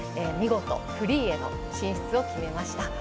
見事、フリーへの進出を決めました。